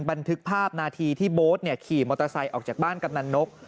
บันทึกภาพนาทีที่โบ๊ทขี่มอเตอร์ไซค์ออกจากบ้านกำนันนก